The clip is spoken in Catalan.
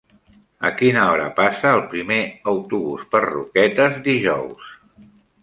A quina hora passa el primer autobús per Roquetes dijous?